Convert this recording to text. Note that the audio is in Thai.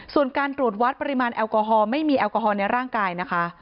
ส่วนการตรวจวัดปริมาณแอลกอฮอลไม่มีแอลกอฮอลในร่างกายนะคะ